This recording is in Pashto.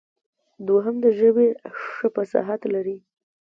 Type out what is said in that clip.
دوهم د ژبې ښه فصاحت لري.